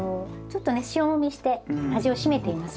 ちょっとね塩もみして味を締めていますので。